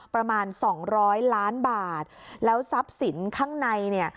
ประมาณ๒๐๐ล้านบาทแล้วทรัพย์สินข้างในนี่